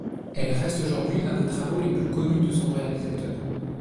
Elle reste aujourd'hui l'un des travaux les plus connus de son réalisateur.